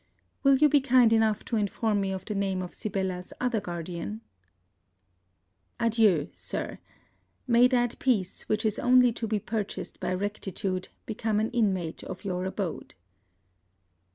Will you be kind enough to inform me of the name of Sibella's other guardian? Adieu, Sir, may that peace which is only to be purchased by rectitude become an inmate of your abode.